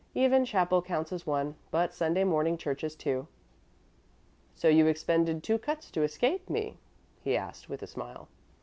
"Evening chapel counts as one, but Sunday morning church as two." "So you expended two cuts to escape me?" he asked with a smile.